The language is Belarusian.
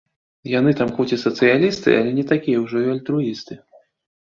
Яны там хоць і сацыялісты, але не такія ўжо і альтруісты.